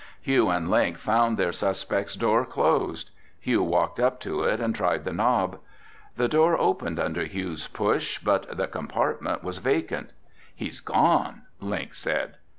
Hugh and Link found their suspect's door closed. Hugh walked up to it and tried the knob. The door opened under Hugh's push, but the compartment was vacant. "He's gone," Link said.